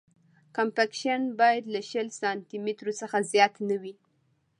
کمپکشن باید له شل سانتي مترو څخه زیات نه وي